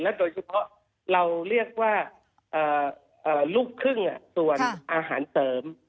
โดยเฉพาะเราเรียกว่าลูกครึ่งส่วนอาหารเสริม